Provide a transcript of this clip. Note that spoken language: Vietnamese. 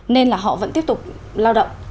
nên là họ vẫn tiếp tục lao động